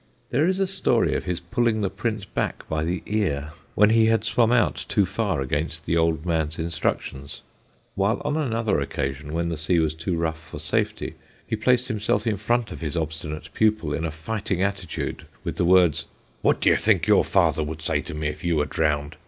There is a story of his pulling the Prince back by the ear, when he had swum out too far against the old man's instructions; while on another occasion, when the sea was too rough for safety, he placed himself in front of his obstinate pupil in a fighting attitude, with the words, "What do you think your father would say to me if you were drowned?